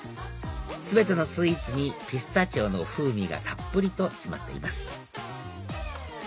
全てのスイーツにピスタチオの風味がたっぷりと詰まっています